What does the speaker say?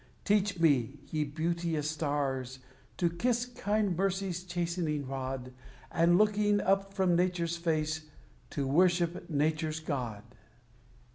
Teach me, ye beauteous stars, to kiss kind Mercy's chastening rod, And, looking up from Nature's face, to worship Nature's God.